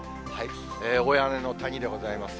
大屋根の谷でございます。